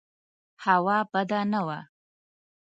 هوا بده نه وه.